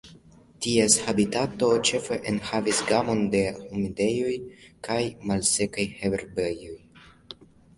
Ties habitato ĉefe enhavas gamon de humidejoj kaj malsekaj herbejoj.